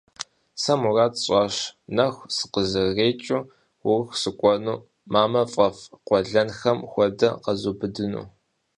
Сэ мурад сщӀащ, нэху сыкъызэрекӀыу Урыху сыкӀуэу, мамэ фӀэфӀ къуэлэнхэм хуэдэ къэзубыдыну.